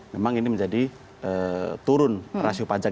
memang ini menjadi turun rasio pajak